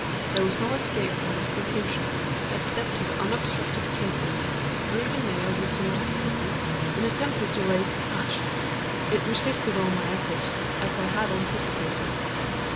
There was no escape from this conclusion. I stepped to the unobstructed casement, withdrew the nail with some difficulty and attempted to raise the sash. It resisted all my efforts, as I had anticipated.